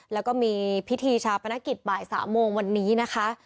แล้วก็มีพิธีชาปนกิจบ่าย๓โมงวันนี้นะคะ